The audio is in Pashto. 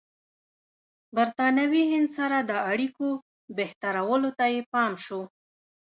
د برټانوي هند سره د اړیکو بهترولو ته یې پام شو.